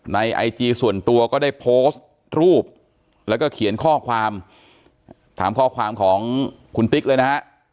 ไอจีส่วนตัวก็ได้โพสต์รูปแล้วก็เขียนข้อความถามข้อความของคุณติ๊กเลยนะฮะ